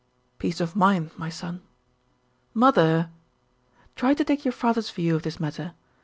"Peace of mind, my son." "Mother " "Try to take your father's view of this matter.